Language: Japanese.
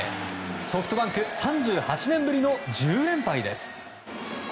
ソフトバンク３８年ぶりの１０連敗です。